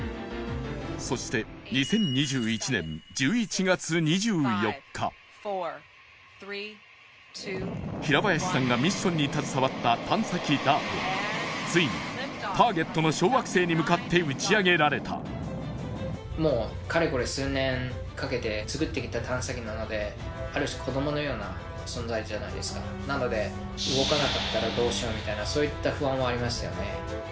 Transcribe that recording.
そして２０２１年１１月２４日・４３２平林さんがミッションに携わった探査機ＤＡＲＴはついにターゲットの小惑星に向かって打ち上げられたもうかれこれ探査機なのである種子供のような存在じゃないですかなので動かなかったらどうしようみたいなそういった不安はありましたよね